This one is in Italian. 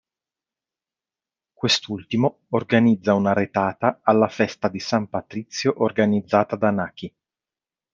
Quest'ultimo organizza una retata alla festa di san patrizio organizzata da Nucky.